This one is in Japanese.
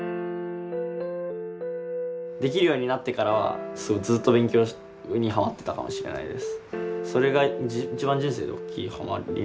できるようになってからはすごいずっと勉強にハマってたかもしれないです。